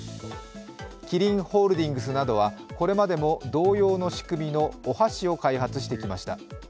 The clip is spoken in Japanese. キリンホールディングスなどはこれまでも同様の仕組みのお箸を開発してきました。